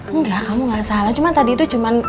enggak kamu gak salah cuman tadi itu cuman